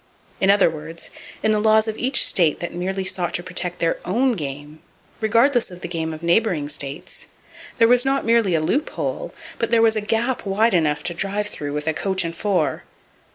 In other words, in the laws of each state that merely sought to protect their own game, regardless of the game of neighboring states, there was not merely a loop hole, but there was a gap wide enough to drive through with a coach and four.